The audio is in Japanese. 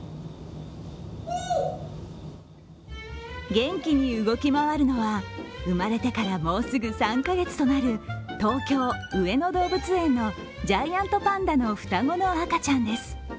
元気に動き回るのは生まれてからもうすぐ３カ月となる東京・上野動物園のジャイアントパンダの双子の赤ちゃんです。